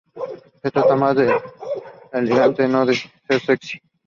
Se trata más de ser elegante, no de ser sexy.